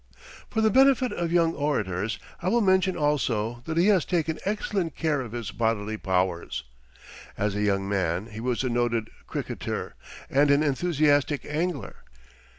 For the benefit of young orators, I will mention also that he has taken excellent care of his bodily powers. As a young man he was a noted cricketer and an enthusiastic angler.